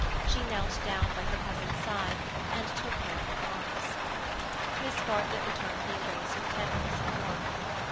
She knelt down by her cousin's side and took her in her arms. Miss Bartlett returned the embrace with tenderness and warmth.